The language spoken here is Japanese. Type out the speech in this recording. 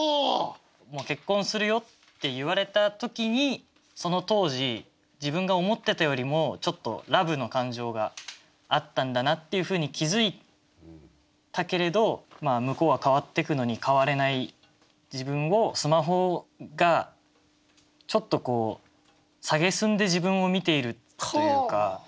もう結婚するよって言われた時にその当時自分が思ってたよりもちょっとラブの感情があったんだなっていうふうに気付いたけれど向こうは変わってくのに変われない自分をスマホがちょっとこう蔑んで自分を見ているというか。